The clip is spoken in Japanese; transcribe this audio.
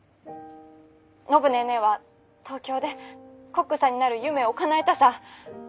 ☎暢ネーネーは東京でコックさんになる夢をかなえたさぁ。